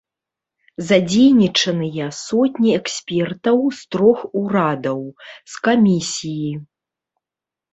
Задзейнічаныя сотні экспертаў з трох урадаў, з камісіі.